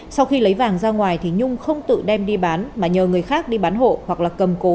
sau khi lấy vàng ra ngoài thì nhung không tự đem đi bán mà nhờ người khác đi bán hộ hoặc là cầm cố